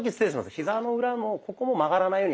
ヒザの裏のここも曲がらないように。